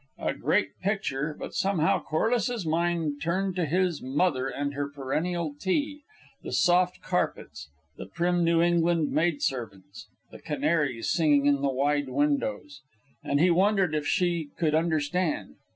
A great picture, but somehow Corliss's mind turned to his mother and her perennial tea, the soft carpets, the prim New England maid servants, the canaries singing in the wide windows, and he wondered if she could understand.